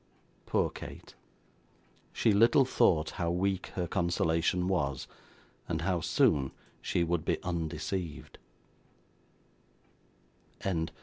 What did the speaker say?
Poor Kate! she little thought how weak her consolation was, and how soon she would be undeceived.